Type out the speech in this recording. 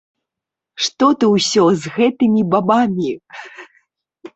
Што ты ўсё з гэтымі бабамі?